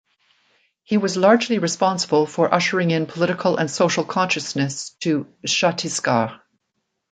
He was largely responsible for ushering in political and social consciousness to Chhattisgarh.